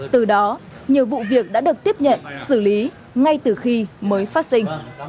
từ đó nhiều vụ việc đã được tiếp nhận xử lý ngay từ khi mới phát sinh